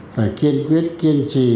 phải kiên quyết kiên trì